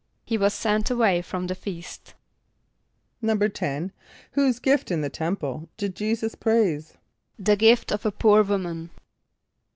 =He was sent away from the feast.= =10.= Whose gift in the temple did J[=e]´[s+]us praise? =The gift of a poor woman.